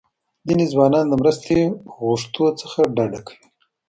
ځینې ځوانان د مرستې غوښتو څخه ډډه کوي.